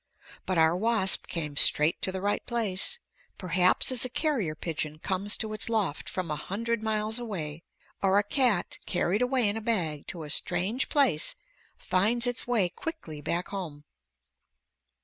But our wasp came straight to the right place. Perhaps as a carrier pigeon comes to its loft from a hundred miles away, or a cat carried away in a bag to a strange place finds its way quickly back home.